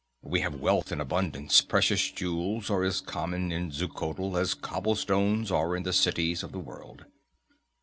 We have wealth in abundance precious jewels are as common in Xuchotl as cobblestones are in the cities of the world.